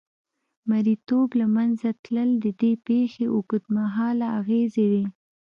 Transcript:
مریتوب له منځه تلل د دې پېښې اوږدمهاله اغېزې وې.